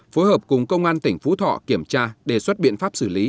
phối hợp cùng công an tỉnh phú thọ kiểm tra đề xuất biện pháp xử lý